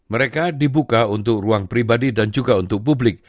mereka dibuka untuk ruang pribadi dan juga untuk publik